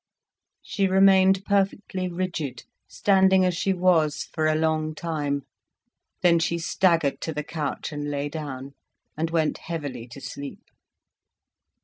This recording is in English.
She remained perfectly rigid, standing as she was for a long time. Then she staggered to the couch and lay down, and went heavily to sleep.